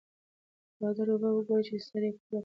د بازار اوبه وګورئ چې سر یې کلک وي.